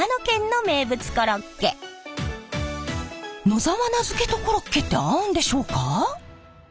野沢菜漬けとコロッケって合うんでしょうか？